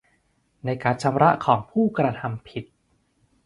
ในการชำระของผู้กระทำผิด